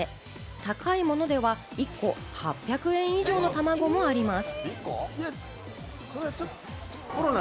高いものでは１個８００円以上のたまごもあります。